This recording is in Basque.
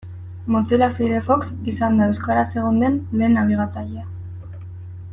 Mozilla Firefox izan da euskaraz egon den lehen nabigatzailea.